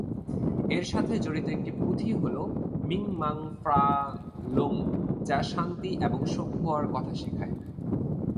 এর সাথে জড়িত একটি পুথি হল মিং-মাং-ফ্রা-লৌং যা শান্তি এবং সভ্য় হওয়ার কথা শেখায়।